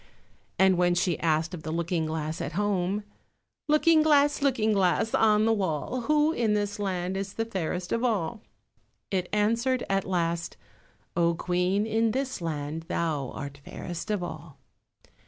And when she asked of the Looking glass at home— "Looking glass, Looking glass, on the wall, Who in this land is the fairest of all?" it answered at last— "Oh, Queen, in this land thou art fairest of all."